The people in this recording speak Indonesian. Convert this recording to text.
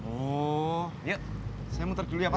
oh yuk saya muter dulu ya pak